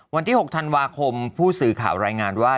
วันที่๖ธันวาคมผู้สื่อข่าวรายงานว่า